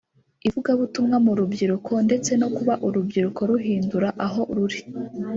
ivugabutumwa mu rubyiruko ndetse no kuba urubyiruko ruhindura aho ruri